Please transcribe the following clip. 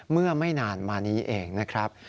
เมื่อไม่นานมานี้เองนะครับ